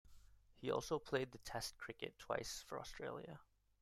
He also played in Test cricket twice for Australia.